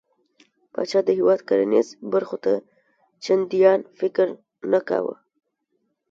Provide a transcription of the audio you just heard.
پاچا د هيواد کرنېزو برخو ته چنديان فکر نه کوي .